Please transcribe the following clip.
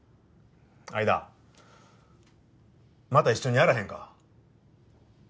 相田また一緒にやらへんか？